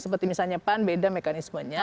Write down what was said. seperti misalnya pan beda mekanismenya